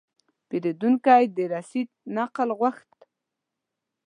پیرودونکی د رسید نقل غوښت.